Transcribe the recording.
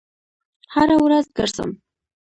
هره ورځ ګرځم